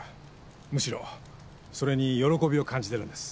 むしろそれに喜びを感じてるんです。